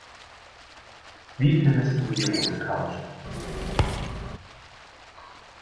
Wie findest du die rote Couch?